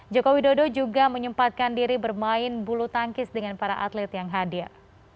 joko widodo juga menyempatkan diri bermain bulu tangkis dengan para atlet yang hadir